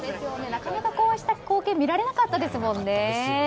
なかなかこうした光景が見られなかったですもんね。